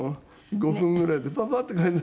５分ぐらいでパパッと描いて。